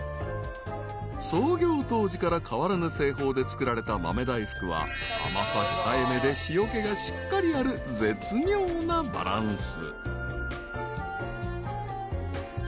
［創業当時から変わらぬ製法で作られた豆大福は甘さ控えめで塩気がしっかりある絶妙なバランス］